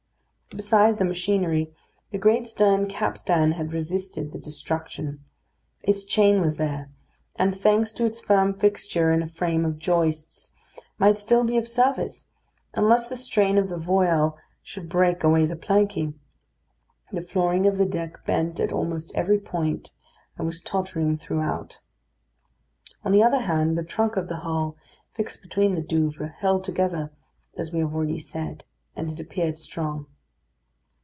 Besides the machinery, the great stern capstan had resisted the destruction. Its chain was there, and, thanks to its firm fixture in a frame of joists, might still be of service, unless the strain of the voyal should break away the planking. The flooring of the deck bent at almost every point, and was tottering throughout. On the other hand, the trunk of the hull, fixed between the Douvres, held together, as we have already said, and it appeared strong.